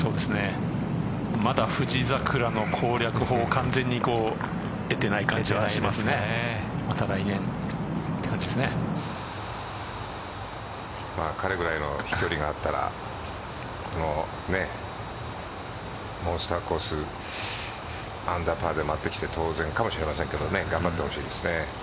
まだ富士桜の攻略法を完全に得ていない感じは彼ぐらいの飛距離があったらこのモンスターコースアンダーパーで回ってきて当然かもしれませんけどね頑張ってほしいですね。